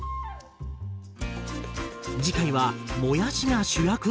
次回はもやしが主役？